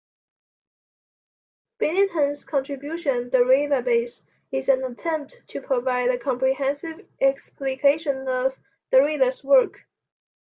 Bennington's contribution, "Derridabase", is an attempt to provide a comprehensive explication of Derrida's work.